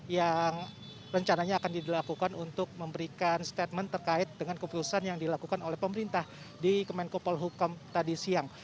yang rencananya akan dilakukan untuk memberikan statement terkait dengan keputusan yang dilakukan oleh pemerintah di kemenkopol hukam tadi siang